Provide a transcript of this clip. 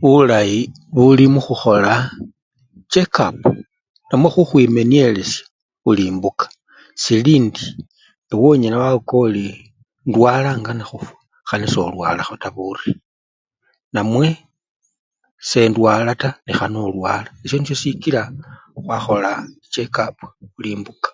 Bulayi buli mukhukhola chekapu, namwe khukhwimenyelesya bul imbuka, silindi ewe onyala wawuka oli indwala ngana khufwa, khana solwalakho taa buri namwe dendwala taa nekhana olwala, esyo nisyo sikila khwakhola chekapu bulimbuka.